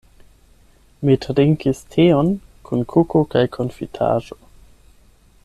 Mi trinkis teon kun kuko kaj konfitaĵo.